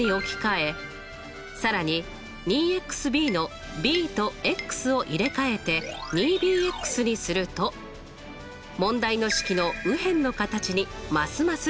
更に２ｂのｂとを入れ替えて２ｂにすると問題の式の右辺の形にますます近づきました。